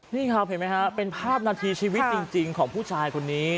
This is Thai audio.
นี่ครับเห็นไหมฮะเป็นภาพนาทีชีวิตจริงของผู้ชายคนนี้